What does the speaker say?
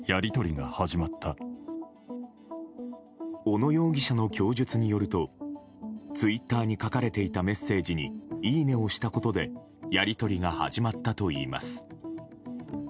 小野容疑者の供述によるとツイッターに書かれていたメッセージにいいねをしたことでやり取りが始まったといいます。